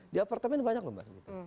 di apartemen banyak lho